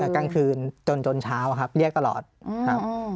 กลางคืนจนเช้าครับเรียกตลอดครับ